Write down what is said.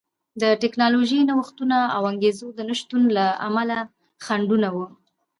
د ټکنالوژیکي نوښتونو او انګېزو د نشتون له امله خنډونه وو